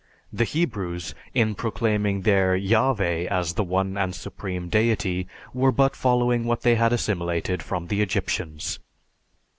The Hebrews, in proclaiming their Yahveh as the one and supreme deity, were but following what they had assimilated from the Egyptians.